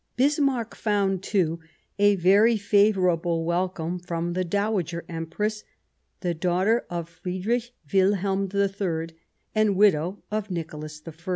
Bismarck found, too, a very favourable welcome from the Dowager Empress, the daughter of Friedrich Wilhelm III and widow of Nicolas I.